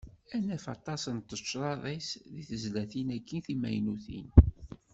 Ad naf aṭas n tecraḍ-is deg tezlatin-agi timaynutin.